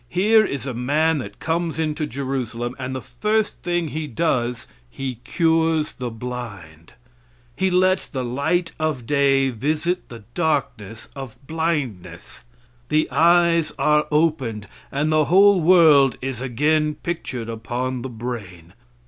Here is a man that comes into Jerusalem, and the first thing he does he cures the blind. He lets the light of day visit the darkness of blindness. The eyes are opened and the whole world is again pictured upon the brain.